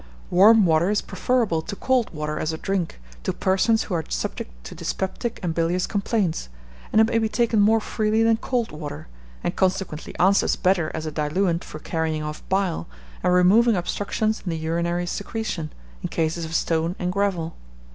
Warm water is preferable to cold water, as a drink, to persons who are subject to dyspeptic and bilious complaints, and it may be taken more freely than cold water, and consequently answers better as a diluent for carrying off bile, and removing obstructions in the urinary secretion, in cases of stone and gravel.